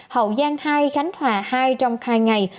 hậu giang hai khánh hòa hai trong hai ngày